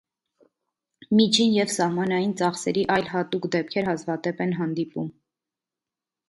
Միջին և սահմանային ծախսերի այլ հատուկ դեպքեր հազվադեպ են հանդիպում։